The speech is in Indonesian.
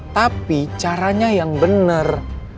tapi caranya yang bener